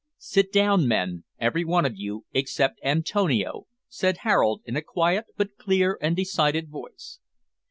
"Sit down, men, every one of you except Antonio," said Harold, in a quiet, but clear and decided voice.